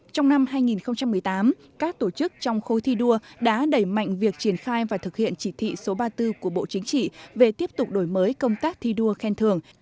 trong năm hai nghìn một mươi tám các tổ chức trong khối thi đua đã đẩy mạnh việc triển khai và thực hiện chỉ thị số ba mươi bốn của bộ chính trị về tiếp tục đổi mới công tác thi đua khen thường